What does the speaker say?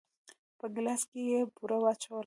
په ګيلاس کې يې بوره واچوله.